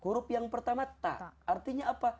huruf yang pertama ta artinya apa